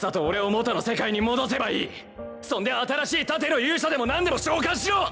そんで新しい盾の勇者でも何でも召喚しろ！